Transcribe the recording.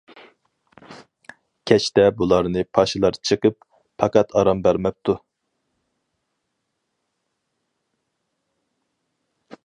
كەچتە بۇلارنى پاشىلار چېقىپ، پەقەت ئارام بەرمەپتۇ.